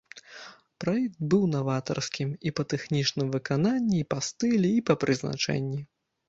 Праект быў наватарскім і па тэхнічным выкананні, і па стылі, і па прызначэнні.